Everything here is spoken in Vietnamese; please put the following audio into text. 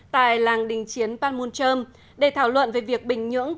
tại làng đình chiến panmunjom để thảo luận về việc bình nhưỡng